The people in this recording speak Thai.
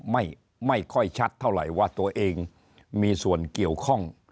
ไม่ค่อยชัดเท่าไหร่ว่าตัวเองมีส่วนเกี่ยวข้อง